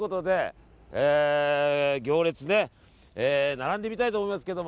並んでみたいと思いますけど。